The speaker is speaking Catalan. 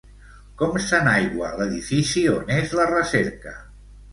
Com s'enaigua l'edifici on és la recerca?